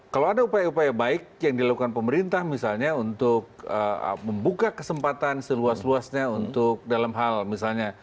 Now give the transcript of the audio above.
kalau ada upaya upaya baik yang dilakukan pemerintah misalnya untuk membuka kesempatan seluas luasnya untuk dalam hal misalnya